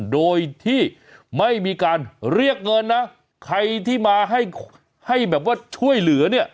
โดยที่ไม่มีการเรียกเงินนะใครที่มาให้ให้แบบว่าช่วยเหลือเนี่ย